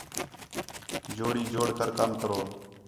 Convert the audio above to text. جوڑی جوڑ کر کم کرو